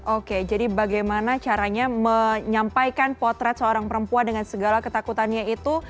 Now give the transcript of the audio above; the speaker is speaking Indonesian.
oke jadi bagaimana caranya menyampaikan potret seorang perempuan dengan segala ketakutannya itu